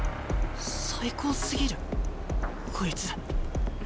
最高すぎるこいつ。